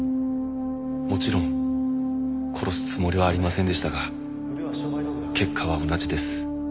「もちろん殺すつもりはありませんでしたが結果は同じです」